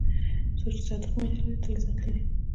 څوک چې صادق مینه لري، تل عزت لري.